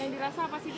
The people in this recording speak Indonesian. yang dirasa apa sih bu